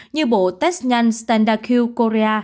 như bộ test nhanh standard q korea